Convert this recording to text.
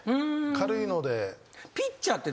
軽いので。